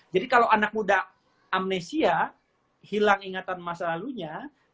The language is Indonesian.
jadi kalau anak muda amnesia hilang ingatan masa lalunya